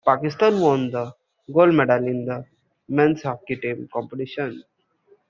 Pakistan won the gold medal in the men's hockey team competition.